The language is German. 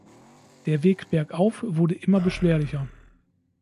Der Weg bergauf wurde immer beschwerlicher.